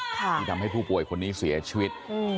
ที่ทำให้ผู้ป่วยคนนี้เสียชีวิต